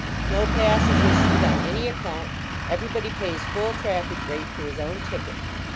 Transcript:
No pa i sued on any account; everybody pays full traffic rate for his own ticket.